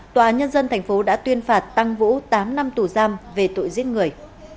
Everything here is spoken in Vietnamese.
tòa nhân dân tp đã tuyên phạt tăng vũ tám năm tù giam về tội giết người